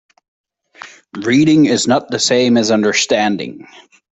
Reading is not the same as understanding.